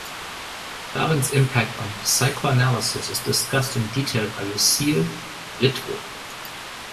Darwin's impact on psychoanalysis is discussed in detail by Lucille Ritvo.